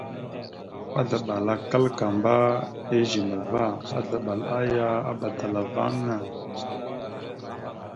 Azləɓal a klakamba a ezine va, azləɓal aya a badala vaŋa.